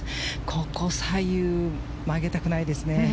ここ左右、曲げたくないですね。